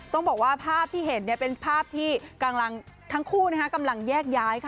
ต้องบอกว่าภาพที่เห็นเป็นภาพที่กำลังทั้งคู่กำลังแยกย้ายค่ะ